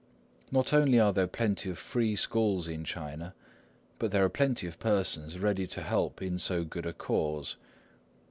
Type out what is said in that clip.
Not only are there plenty of free schools in China, but there are plenty of persons ready to help in so good a cause.